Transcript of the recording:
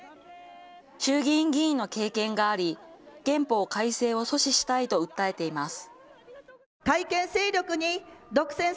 衆議院議員の経験があり、憲法改正を阻止したいと訴えています。